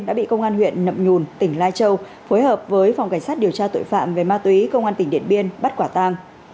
đã bị công an huyện nậm nhùn tỉnh lai châu phối hợp với phòng cảnh sát điều tra tội phạm về ma túy công an tỉnh điện biên bắt quả tang